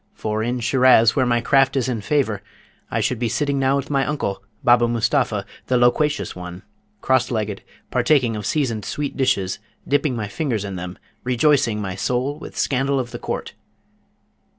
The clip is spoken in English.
for in Shiraz, where my craft is in favour, I should be sitting now with my uncle, Baba Mustapha, the loquacious one, cross legged, partaking of seasoned sweet dishes, dipping my fingers in them, rejoicing my soul with scandal of the Court!'